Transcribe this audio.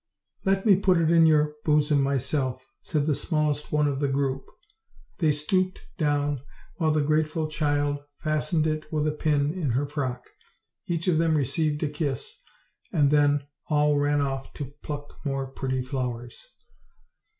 "Let me put it in your bosom myself," said the small est one of the group. Patty stooped down while the grateful child fastened it with a pin to her frock. Each of them received a kiss, and then all ran off to pluck more pretty flowers.